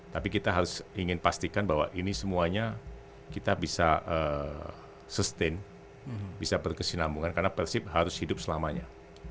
tapi kita harus ingin pastikan bahwa ini semuanya kita bisa sustain bisa berkesinambungan karena persib harus hidup selamanya